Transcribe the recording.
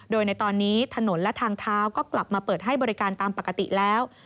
โดยในตอนนี้ถนนและทางเท้าก็กลับมาเปิดให้บริการตามปกติแล้ว